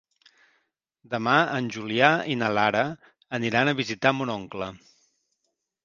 Demà en Julià i na Lara aniran a visitar mon oncle.